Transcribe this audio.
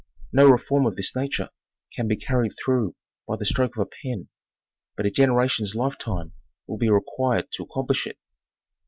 Noreform of this nature can be carried through by the stroke of a pen, but a generation's life time will be required to accomplish it.